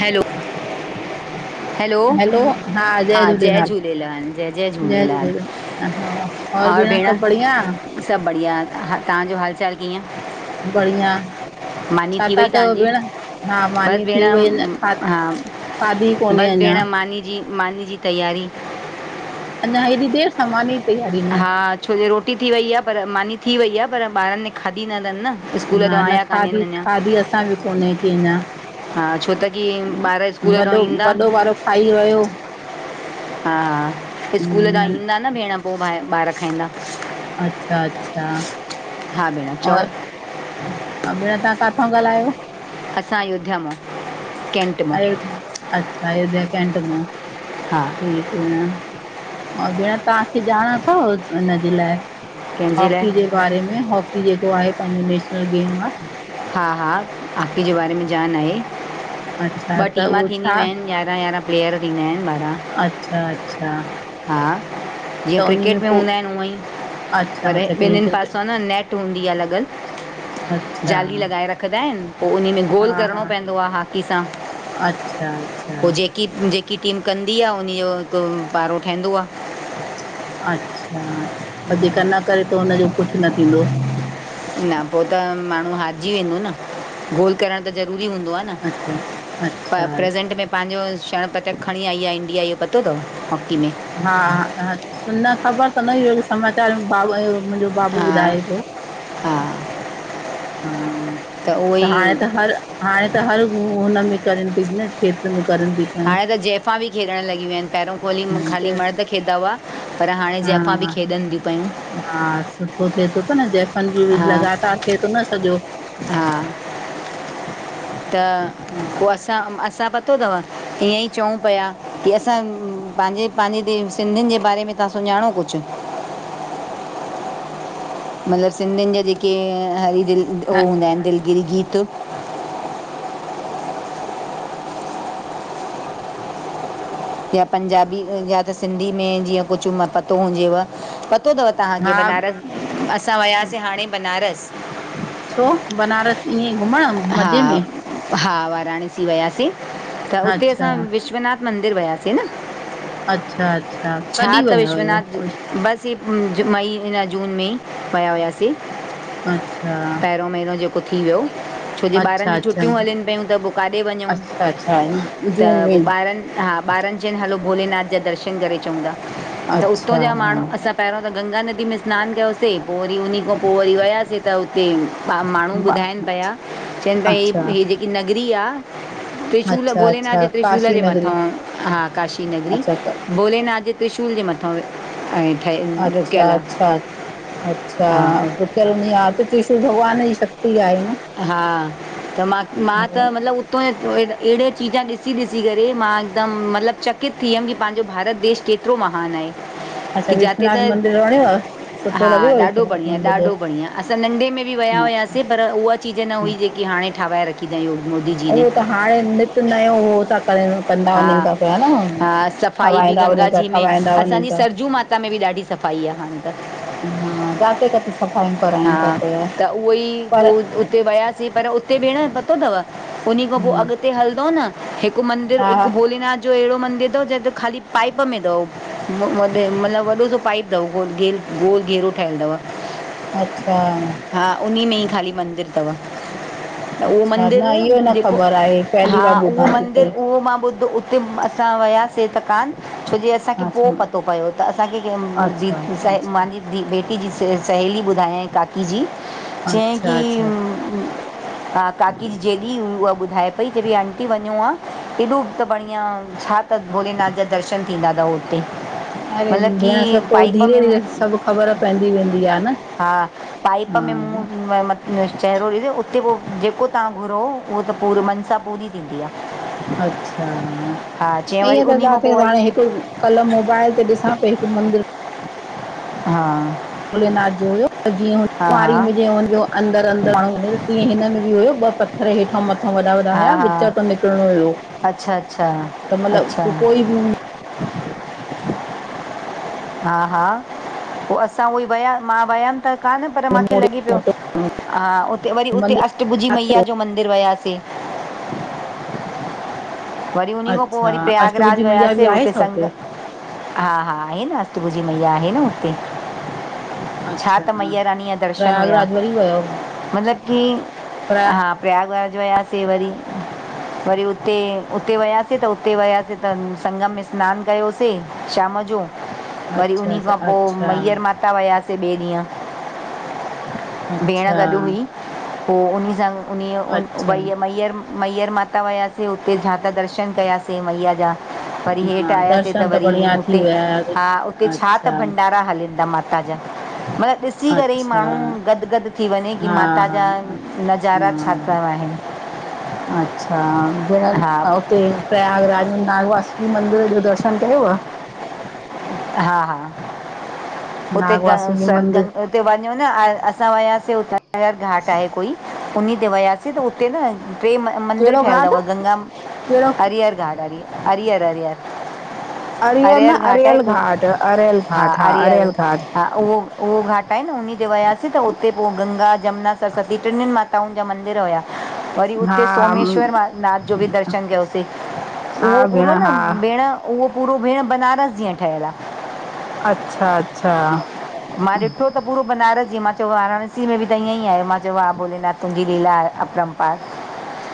Hello - - hello हा, जय झूलेलाल, जय झूलेलाल हा और भेण सभु बढ़या सभु बढ़िया हा तहांजो हालचाल? कीअं, बढ़िया मानी छा थी था वई कयो तव्हांजी, भेण हा बस मानी भेण थी वई अञा खा हा, खाधी कोन्हे बस अञा भेण मानी जी, मानी जी तेयारी अञा हेॾी देर सामान जी तयारी न हा छो जे रोटी थी वई आ पर मानी थी वई आ, पर ॿारन ने खाधी नथन न - - हा न खाधी, खाधी असां बि कोन्हे खाधी की अञा - - हा छो त की ॿार स्कूल ता वॾो ईन्दा वॾो वारो खाई वयो। हा स्कूल ता न- ईंन्दा न भेण पोइ बा ॿार खाईंदा अच्छा, अच्छा हा भेण चओ और ऐं भेण तवा काथां ॻाल्हायो - - असां अयोध्या मो कैंटी - - अयोध अच्छा अयोध्या कैट मो - - हां ठीक आ, ओर भेण तव्हांखे ॼाण अथव हुनजे लाइ कंहिंजे लाइ हॉकी जे बारे में, हॉकी जेको आहे पंहिंजो नेशनल गेम आ हा हा हाकी जे बारे में ॼाण आहे। अच्छा ॿ त टीमा उहो थींदियूं छा आहिन यारहं यारहं प्लेयर थींदा आहिन ॿाराहं अच्छा, अच्छा हा त जीअं उन क्रिकेट में पोइ हूंदा आहिन उअं ई अच्छा पर अच्छा कीअं ॿिननिन पासा आ क्रिकेट न नेट हूंदी आ लॻल अच्छा जाली लॻाए रखंदा आहिन, पोइ उन में गोल हा करिणो हा पवंदो आ हाकी सां - - अच्छा अच्छा। की जेकी टीम कंदी आ उन जो हिकु पारो ठहींदो आ। अच्छा, पर जेका न करे त हुनजो कुझ न थींदो। न पोइ त माण्हू हारिजी वेंदो न, गोल करणु त ज़रूरी हूंदो आ अच्छा अच्छा न प्रेसेंट में पंहिंजो स्वरण पत खणी आई आ इंडिया इहो पतो थव? हा, न ख़बर त न ई समाचार भाउ [unintelligible] मुंहिंजो - - हा हा हा, उहो त ई हाणे त हर हाणे त हर हु हुनमें करन थी न खेथर में करन थी पयूं हाणे त जैहफ़ां बि खेॾणु लॻियू आहिन पहिरियों [unintelligible] ज ख़ाली मर्द खेॾदा हुयां पर हाणे हा जेंफ़ा बि खेॾन थी पयूं - - हा सुठो थिए थो पयो न जैफन बि हा लातार थिए थो न सॼो - - हा, त पोइ असां असां प तो थव ईअं ई चऊं पिया कि असां पंहिंजे, पंहिंजे सिंधियुन जे बारे में - - त सुञाणु कुझ मतलबु सिंधियुन जा जेके हरी दिलि उ हा हूंदा आहिन दिलगिरी गीत या पंजाबी या त सिंधी में जीअं कुझु मत पतो हुजेव पतो तव तव्हांखे हा बनारस असां वयासीं हाणे बनारस - छो बनारस ईअं ई घुमण - हा मज़े में हा वाराणसी वियासीं - - त उते अच्छा असां विश्वनाथ मंदिर वयासीं - - अच्छा अच्छा छा कॾहिं त विया हुयव विश्वनाथ - - बस ह मई ना जून में विया हुआसीं - - अच्छा - - पहिरियों महीनो जेको थी वयो - - छो जे ॿारन अच्छा जी अच्छा छुटियूं हलन पयूं त पोइ काथे वञू अच्छा अच्छा त जून पोइ में ॿारन - - हा ॿारन जनि हलो भोलेनाथ जा दर्शन करे अचऊ था त उतां अच्छा जा माण्हू असां - - पहिरियों त गंगा नदी में सनान कयोसीं पोइ वरी उन खां पोइ वरी वियासीं त हुते - - पा माण्हू ॿुधाइन पिया चवन पिया अच्छा हीअ इहा जेकी नगरी आ - - त्रिशूल अच्छा भोलेनाथ अच्छा जे त्रिशूल काशी जे नगरी मथां - - हा काशी नगरी अच्छा भोलेनाथ जे त्रिशूल जे मथां ऐं ठहे - - अचछा अच्छा अच्छा हा - - करण आहे त त्रीशुर भॻवान जी शक्त आहे न - - हा त मां मां त मतलब - - उत अहिड़े चीज ॾिसी ॾिसी करे मां हिकदमि मतिलब चकित थी वियम की पंहिंजो भारत देश केत - - केड़ो महान आहे! अच्छा की जिते विश्वनाथ त मंदिर वणेव? सुठो हा लॻेव ॾाढो विश्वनाथ बढ़िया मंदिर जो? ॾाढो बढ़िया असां नंढे में बि विया हुयासीं - - अच्छा, पर उहा चीज न हुई अच्छा। जेकी हाणे ठाराहे रखी अथंइ मोदी जी ने उहो - त - हाणे नृत्य नयो हो त - - कंदा हा वञनि था पिया न हा सफ़ाई ठहाईंदा वञनि त ठहाईंदा वञनि त - - हुतां में बि ॾाढी सफ़ाई आहे हाणे त - - हा जाते काथे सभ - - हा त उहोई पर पोइ उते वियासीं पर उते भेण पतो अथव - - उणी खां पोइ अॻते हलंदो न हिकु मंदीर हा, हा, हिकु भोलेनाथ - - अहिड़ो मंदिर अथव जे को खाली पाईप में अथव मतलब वॾो सो पाईप - - अथ गोल घेर गोल घेरो ठहियल अथव - - अच्छा - - उन में ई खाली मंदिर - - [unintelligible] त उहो न मंदरु इहो न जेको ख़बर आहे पहली हा बार उहो ॿुधां थी मंदरु पई। उहो मां ॿुधो हुते असां वियासीं त कान छोजी असां असांखे पोइ अच्छा, पतो पियो त असांखे दी अच्छा, अच्छा, स अच्छा। मुंहिंजी दी बेटी जी स सहेली ॿुधायां काकी जी चयाईं की अच्छा अच्छा हा काकी जॾी उहा ॿुधाए पई चए भई आंटी वञो आहे एॾो त बढ़िया छा त भोलेनाथ जा दर्शन थींदा अथव! हुते अड़े मतिलबु की भेण सभ पोइ पाइप धीरे में धीरे सभु ख़बर पवंदी वेंदी आहे न! हा पाइप में मूं हा चहहिरोरी उते पोइ जेको तव्हां घुरो उहो त पूरो मन सां पूरी थींदी आहे! अच्छा हा चयईं वरी ईअं त उन खां जाते पोइ हाणे वरी हिकु कल मोबाइल ते ॾिसा पई हिकु मंदिर! हा! भोलेनाथ जो हुयो त जीअं हुन हा कुआारी में हा जीअं हुनजो अंदरि अंदरि माण्हू वञे तीअं हिन मेंें बि हुयो ॿ पथर हेठ मथ वॾा वॾा हा हुया विच ता हा निकिरणो हुयो अच्छा अच्छा त अच्छा मतिलब कोई बि ह हा -हा, पो असां उहोई वया मां वयमि त कान पर माखे मोटो लॻे पियो मोटो हा उते वरी उते मंदरु अष्टभुजी मैया किथे जो मंदिरु वयासें। वरी उन्ही खां पो अच्छा वरी प्रयागराज अष्टभुजी मैया बि वयासें आहे उते छा संग हुते हा -हा आहे न अस्टभुजी मैया आहे न हुते। छा अच्छा त मैयारानी जा दर्शन हुया। प्रयागराज वरी वियो मतिलबु की, प्रया हा प्रयाग वयासें वरी, वरी उते उते वयासें त उते वयासें त संगम में स्नानु कयोसें शाम जो। वरी अच्छा, उन्ही खां अच्छा, पो अच्छा, मैहर माता वयासे ॿिए ॾींहं। भेण गॾु अच्छा, हुई पो उन्ही सां उन उ अच्छा, वई मैहर मैहर माता वयासे, उते झा त दर्शन कयासें मैया जा। वरी हेठि न आयासें त दर्शन वरी बढ़िया थी हुते विया वरी। हा उते छा त अच्छा, भंडारा हलिन्दा माता ता जा मतिलबु ॾिसी करे ई अच्छा, माण्हूं। गदगद थी वंञे की हा, माता हा, जा नज़ारा छा त न आहिनि। अच्छा भेण हा उते पयागराज में नागवासी मंदिर जो दर्शन कयुव? हा हा, उते ग नागवासुकी स मंदिर, गंग उते वंञों न असां वयासे उता जा घाट आहे कोई उन्ही ते वयासे त उते न ट्रे मं मंदिर कहिड़ो ठहियल घाट, थव गंगा कहिड़ो हरियर घाट हरी हरियर हरियर अरियल न अरियल घाट अरल घाट हा अरल घाट हा उहो -उहो घाट आहे न उन्ही ते वयासीं त उते पो गंगा, जमुना, सरस्वती टिनिनि माता ताउन जा मंदिर हुया। वरी हा, उते हा, सोमेश्वर म, नाथ जो बि दर्शन कयोसें हा, उहो भेण पूरो न हा, भेण उहो पूरो भेंण बनारस जीअं ठहियलु आ। अच्छा -अच्छा। मां ॾिठो त पूरो बनारस जींअ, मां चयो वाराणसी में बि त ईअं ई आहे, मां चयो वाह भोलेनाथ तुंहिंजी लीला अपरम पार।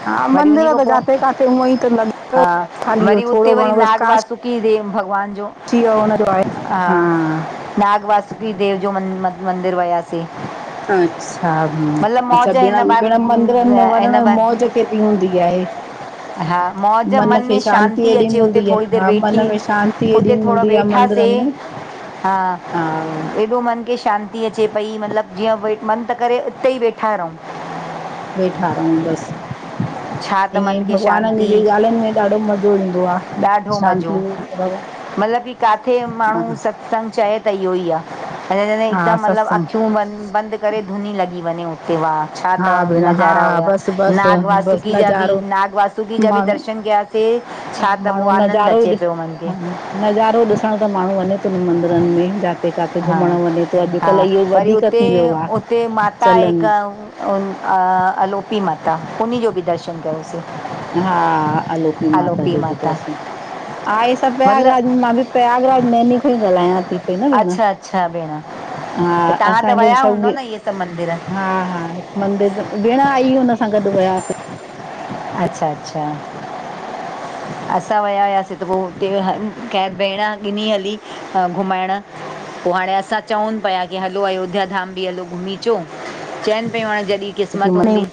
हा वरी मंदिर उन्ही खों त पो, जाते काथे हूअं ई त लॻे पियो हा ख़ाली वरी उते थोरो वरी नाग वासुक की देव भॻवान जो की हो हुनजो आहे। हा नाग वासुकी देव जो मं मंदिर वयासें। अच्छा हम्म अच्छा भेण बार भेण मंदरनि में हिन वंञंण बार मौज केॾी हूंदी आहे। हा मौज मन खे में शांती एॾी अचे उते मिलंदी थोरी आहे देरि हा मन वेठी में शांती एॾी उते थोरो मिलंदी आ मन अर वेठासीं में [unintelligible] हा। हा। एॾो मन खे शांती अचे पई, मतिलबु जीअं मनु त करे उते ई वेठा रहूं। वेठा रहूं बसि छा त ईंयंई, मन खे भॻवाननि जी शांती बि ॻाल्हियुनि में ॾाढो मज़ो ईंदो आ। ॾाढो मज़ो, मतलब की काथे माण्हूं हा सत संग चए त इह्योई आ। असां चवंदा हियंउं हा हिकदमि मतलबु सत्संग अखियूं बंदि -बंदि करे धुनी लॻी वंञें उते वाह। छा हा त भेण हा नज़ारा हुया, बसि बसि नाग बसि वासुकी जा बि, नज़ारो नाग वासुकी जा बि माण्हू दर्शन कयासें। त पो माण्हू आनंदु नज़ारो अचे ॾिस पियो मन खे। हा नज़ारो ॾिसण त माण्हूं वंञें तो न मंदिरनि में, जा किते किथे हा घुमण वञे थो, हा अॼुकल्ह इहो वरी वधीक उते थी वियो आहे चलन। आलोपी माता उन जो बि दर्शन कयोसीं। हा, आलोकी माता अलोपी जो बि माता दर्शन थ। ह इ सभु मतिलबु पग मां बि [unintelligible] प्रयागरास नैनी खों ई ॻाल्हायां थी। पई न भेण अच्छा, अच्छा भेण। त हा, तव्हां त असांजो विया सभ, हूंदव न इहे सभु मंदर हा हा [unintelligible] मंदिर, भेण आई हुन सां गॾु वियासीं। अच्छा, अच्छा! असां विया हुआसीं, त पोइ हुते कै भेण ॾिनी हली घुमाइण। पोइ हाणे, असां चऊं पिया की हलो, अयोध्या धाम बि हलो घुमी अचो, चवनि पियूं हाणे जॾहिं, छोकी क़िस्मत मने हूंदी।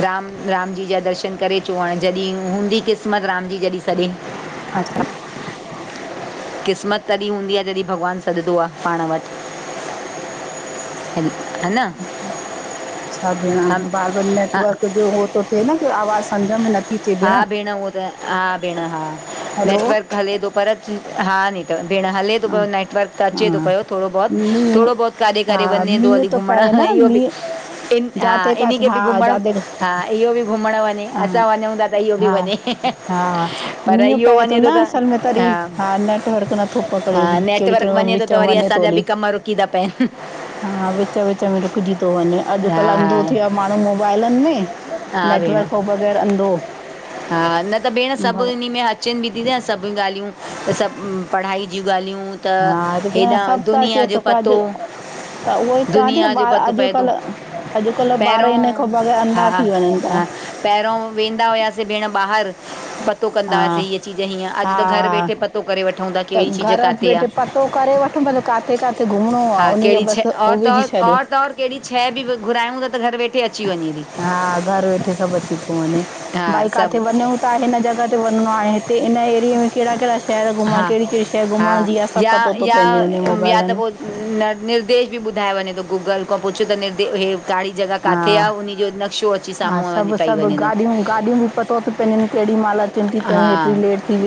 राम, राम जी जा दर्शनु करे अचो। हाणे जॾहिं हूंदी क़िस्मत राम जी जॾहिं सदे। अच्छा। क़िस्मत तॾहिं हूंदी आहे। जॾहिं भॻवानु सॾंदो आहे। पाण वटि। अ न। अच्छा भेण, हम बार बार हा नेटवर्क जो उहो थो थिए न। आवाज़ सम्झ में नथ, हा भेण, हूहा त, हा भेण हा हैलो नेटवर्क हले थो पर हा ने। भेण हले थो हा पियो नेटवर्क, त हा अचे थो पियो थोरो बहुत मींहुं थोरो बहत काॾे काडे हा वञे थो मींहुं हली। घुमण पए न इहो बि, मींहुं इन हा, जाते इन्ही काथे खे हा बि घुमण जाते हा, इहो बि घुमणु वञे हा असां वञूं था। त इहो बि हा वञे हा, पर मीहूं इहो पए थो वञे न त असल में तरी हा नेटवर्कनट नथो पकड़े, हा कहिड़ी नेटवर्क कहिड़ी वञे थो विच त में वरी वञे तो असांजा हली। बि कम रुकी था पइनि [unintelligible] हा, विच विच में रुकिजी थो वञे। हा अॼुकल्ह हा अंधो थियो आहे माण्हू मोबाइलनि में। हा भेण, नेटवर्क खां बग़ैर अंधो हा, न त भेण सभ भ इन में बि थी न सभु ॻाल्हियूं, त सभु पढ़ाई जूं ॻाल्हियूं। त, हा भेण हेॾा सभु त दुनिया अचे जो थो पर पतो। अॼु त उहोई चवां थी न, दुनिया जो ॿार पतो पए थो अॼुकल्ह अॼुकल्ह ॿार पहिरों इन खां बग़ैर अंधा थी वञनि था। पहिरियों, वेंदा हुआसीं भेण ॿाहिरि। पतो कंद हा हुआसी। हीअ चीज़ हीअं। हा अॼु त घरु हा वेठे पतो करे वठूं था। कहिड़ी चीज घर काथे आ। वेठे पतो त करे वठो, भले किते किथे घुमिणो आहे। हा उनजो कहिड़ी शइ बसि और पोइ त विझी और छॾियो। और त और कहिड़ी शइ बि घुरायूं था, त घरु वेठे अची वञे थी। हा घर वेठे सभु अची थो वञे। हा भई काथे सभु वञूं त हिन जॻह ते वञिणो आहे, हिते हिन ऐरिऐ में कहिड़ा कहिड़ा शहर घुमणु, हा कहिड़ी कहिड़ी शइ हा घुमण जी आहे। सभु पतो थो पंहिंजे वञे मोबाइलनि में। निनिर्देश बि ॿुधाए वञे थो। गूगल खां पुछो त निर्देश हे। त जॻह काथे आ, हा। उन जो नक्शो अची हा साम्हूं वञी सभु थई सभु वञे थो। गाॾियूं गाॾियूं बि पतो थीयूं पवन, केडि महल हा,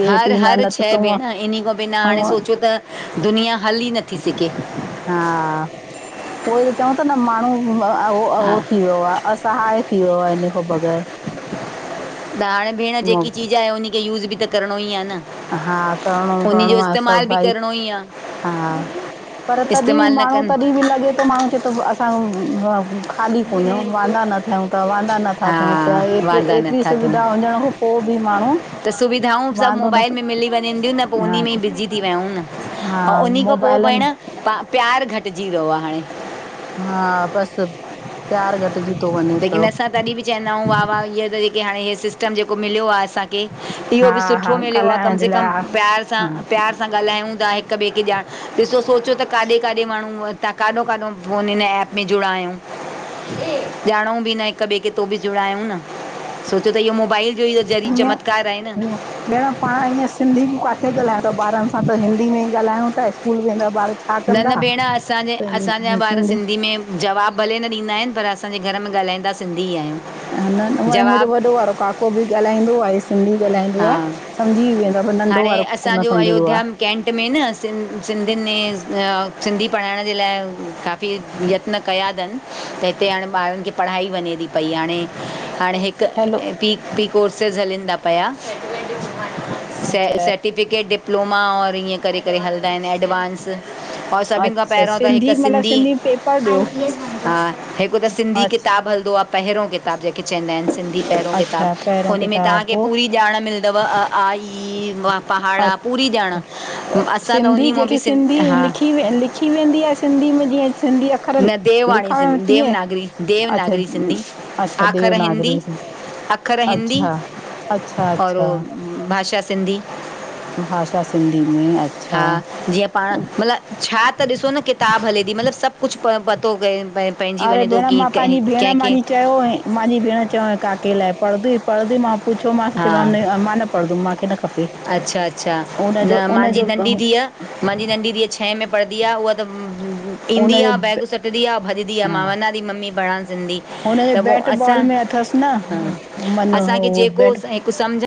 हर हर न त त शह हूअं भेण, इन खां बिना हाणे हूअं सोचियो त दुनिया हली नथी सघे। हा, उई त चवां ती त न माण्हू हा उह थी वियो आहे, असहाय थी वियो आहे इन ख बग़ैर त हाणे भेण जेकी चीज आहे, उनखे यूज़ बि त करिणो ई आहे न। हा करिणो उनजो करिणो आहे इस्तेमाल सभु बि भाई करिणो ई आ हा, पर तॾहिं न माण्हू कनि तॾहिं बि लॻे तो माण्हू चए थो असां हूं हूं ख़ाली कोनयउं वांदा न थियूं त वांदा नथा हा थियूं पिया एतरी वांदा एतिरी नथा सुविधा थियनि हुजण खों पो बि माण्हू त सुविधाऊं सभु वांदो मोबाइल नथो में मिली वञेदियूं न पो उन्ही हा में ई बिज़ी थी वियाउं न। हा अंऊँ उन्ही खों पोइ मोबाइलनि भेण पा प्यारु घटिजी वियो आ हाणे। हा बस प्यार घट जी थो वञे। लेकिन पियो असां तॾहिं बि चइंदा आहियूं वाह-वाह इहो जेके हाणे हे सिस्टम जेको मिलियो आ असांखे इहो हा बि हा सुठो मिलियो आ कम ॻाल्हाइण जे से लाइ कम हा प्यार सां, हा प्यार सां सां ॻाल्हायूं था हिक ॿिए खे ॼाण ॾिसो सोचो त काडे-काडे माण्हू हितां काॾों-काॾों फोन हिन एप में जुड़ा आहियूं। ॼाणऊँ बि न हिक ॿिए खे तो बि जुड़ायूं न सोचो त इहो मोबाइल जो ई ज़रिए चमत्कार आहे न हींय-हींय भेण पाण ईअं सिंधी बि काथे ॻाल्हायूं था ॿारनि सां त हिंदी में ई ॻाल्हायूं था स्कूल वेंदा ॿार छा न, न कंदा भेण असांजे त इन असांजा करे ॿार सिंधी में जवाबु भले न ॾींदा आहिनि पर असांजे घर में ॻाल्हाईंदा सिंधी ई आहियूं। ह न, न मुंहिंजो जवाब वॾो वारो काको बि ॻाल्हाईंदो आहे सिंधी ॻाल्हाईंदो हा आ समझी वेंदो आ पर नंढो हाणे वारो कोन असांजो समझंदो आ। अयोध्या कैंट में न सिं सिंधियुनि में अ सिंधी पढ़ाइण जे लाइ काफ़ी ते यतन कया तन, त हिते हाणे बारन खे पड़ाई वञे थी पयी हाणे हाणे हिक हैलो पी पी कोर्सेस हलींदा पिया। से अच्छा सर्टिफिकेट डिप्लोमा और ईअं करे करे हलंदा आहिनि एडवांस और सभिनि खां अच्छा पहिरियों त हिकु मतिलबु सिंधी पेपर ॾियो हा हिकु त सिंधी अच्छा किताबु हलदो आ पहिरियों किताबु जेके चईंदा आहिनि सिं धी पहिरियों अच्छा किताबु पहिरियों हुन में किताब तव्हांखे पोइ पूरी ॼाण मिलदव अ आ इ ई अ पहाडा पूरी जाण, असां त उन्ही मों बि सिंध हा खी वेंदी आ सिंधी में जीअं सिंधी अख न देववाणी सिं देवनागरी, अच्छा देवनागरी सिंधी अच्छा आख़र देवनागरी हिंदी अखर हिंदी अच्छा अच्छा और ओ अच्छा भाषा सिंधी। भाषा सिंधी में अच हा जीअं पाण मतलबु छा त ॾिसो न किताबु हले थी मतलबु सभु कुझु प पतो कयुम- अरे भेण मां पंहिंजी भेण मांहिंजी चयो हईं मांहजी भेण चयों हं काके लाइ पढ़दुई? पढ़दुई मां पुछियोमासि हा चयो न मां न पढ़दुमि माखे न खपे अच्छा, अच्छा हुनजो न माहजी हुनजो नंढी धीअ माहजी नंढी धीअ छहें में पढ़दी आ उहा त ईंदी हुनजो आ, बैग सटदी आ, भॼदी आ, मां वञा थी मम्मी पड़ण सिंधी। हुनजो त पोइ बैट असां बॉल में अथसि न मन हू बैट बॉल ऐं हिकु समझ